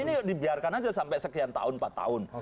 ini dibiarkan aja sampai sekian tahun empat tahun